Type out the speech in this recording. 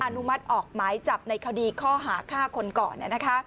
นุมัติออกหมายจับในคดีข้อหาฆ่าคนก่อน